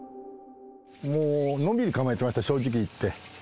もう、のんびり構えてました、正直いって。